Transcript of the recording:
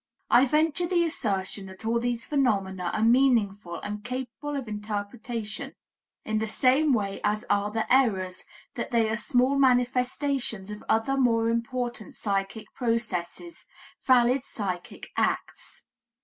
I venture the assertion that all these phenomena are meaningful and capable of interpretation in the same way as are the errors, that they are small manifestations of other more important psychic processes, valid psychic acts.